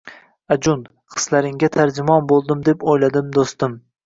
Ajun: Hislaringga tarjimon bo‘ldim deb o‘yladim do‘stim.